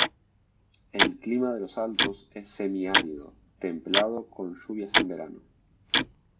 El clima de Los Altos es semiárido templado con lluvias en verano.